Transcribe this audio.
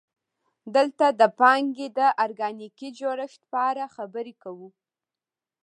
دلته د پانګې د ارګانیکي جوړښت په اړه خبرې کوو